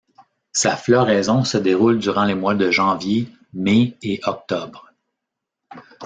Sa floraison se déroule durant les mois de janvier, mai et octobre.